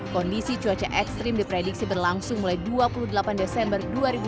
kondisi cuaca ekstrim diprediksi berlangsung mulai dua puluh delapan desember dua ribu dua puluh